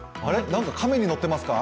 何か亀に乗ってますか？